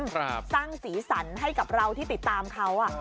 สร้างสีสันให้กับเราที่ติดตามเขา